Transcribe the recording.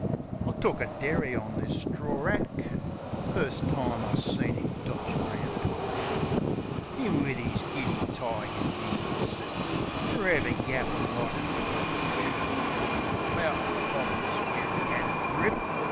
I took a derry on this stror 'at coot First time I seen 'im dodgin' round Doreen. 'Im, wiv 'is giddy tie an' Yankee soot, Ferever yappin' like a tork machine About "The Hoffis" where 'e 'ad a grip.